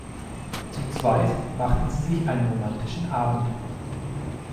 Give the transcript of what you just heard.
Zu zweit machten sie sich einen romantischen Abend.